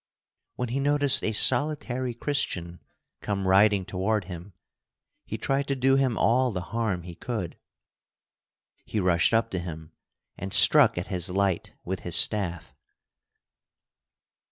When he noticed a solitary Christian come riding toward him, he tried to do him all the harm he could. He rushed up to him and struck at his light with his staff.